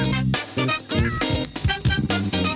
โลกของเรา